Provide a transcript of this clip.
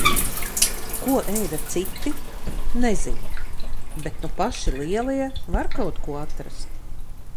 Ko ēda citi -–nezinu, bet nu paši lielie, var kaut ko atrast.